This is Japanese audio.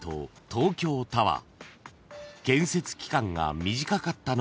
東京タワー